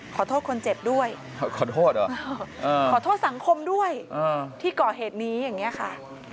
ขอโทษคนเจ็บด้วยขอโทษสังคมด้วยที่ก่อเหตุนี้อย่างเนี่ยค่ะ